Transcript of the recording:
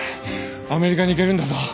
アメリカに行けるんだぞ。